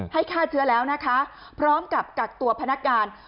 ให้ฆ่าเชื้อแล้วพร้อมกับตัวพนักงาน